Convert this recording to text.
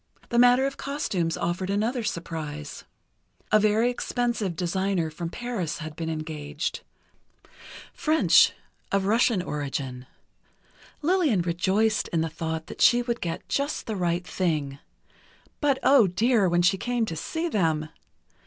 The matter of costumes offered another surprise: A very expensive designer from Paris had been engaged—French, of Russian origin—Lillian rejoiced in the thought that she would get just the right thing. But, oh dear, when she came to see them!